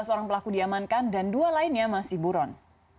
sebelas orang pelaku diamankan dan dua lainnya masih buron